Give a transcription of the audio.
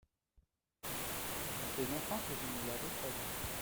ça fait longtemps que je ne l'avais par vue.